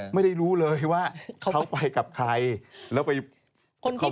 ไม่ได้รู้เลยว่าเขาไปกับใครแล้วไปคอมเมนต์แบบนั้น